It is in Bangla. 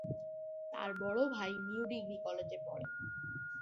তার বড় ভাই নিউ ডিগ্রি কলেজে পড়ে।